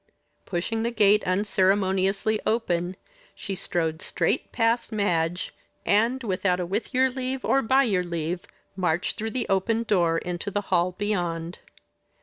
Pushing the gate unceremoniously open, she strode straight past Madge, and, without a with your leave or by your leave, marched through the open door into the hall beyond.